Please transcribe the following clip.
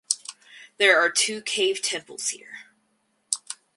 There are two cave temples here.